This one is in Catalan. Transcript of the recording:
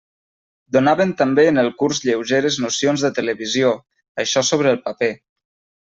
Donaven també en el curs lleugeres nocions de televisió, això sobre el paper.